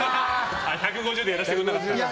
１５０でやらせてくれなかったんだ。